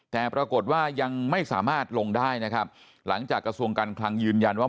แต่ปรากฏว่ายังไม่สามารถลงได้นะครับหลังจากกระทรวงการคลังยืนยันว่า